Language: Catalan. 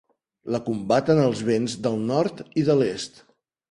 La combaten els vents del nord i de l'est.